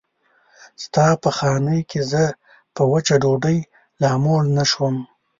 ستا په خانۍ کې زه په وچه ډوډۍ لا موړ نه شوم.